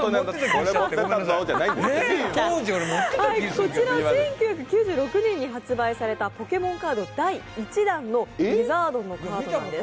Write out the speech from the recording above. こちら、１９９６年に発売されたポケモンカード第１弾のリザードンのカードなんです。